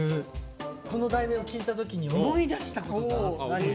この題名を聞いた時に思い出した系ね。